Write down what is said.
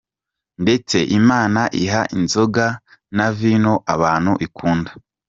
Ndetse Imana iha inzoga na Vino abantu ikunda.